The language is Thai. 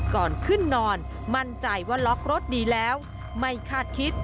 ก่อนขึ้นนอนมั่นใจว่าล็อกรถดีแล้วไม่คาดคิด